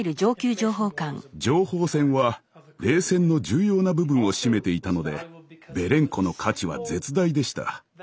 情報戦は冷戦の重要な部分を占めていたのでベレンコの価値は絶大でした。